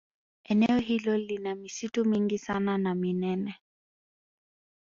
Eneo hilo lina misitu mingi sana na minene